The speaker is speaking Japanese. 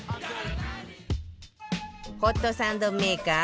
ホットサンドメーカー